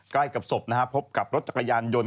ใกล้กับศพนะฮะพบกับรถจักรยานยนต์